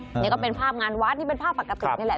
นี่ก็เป็นภาพงานวัดนี่เป็นภาพปกตินี่แหละ